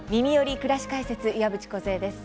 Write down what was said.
くらし解説」岩渕梢です。